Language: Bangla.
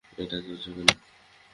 এটা জ্বলছে কেন?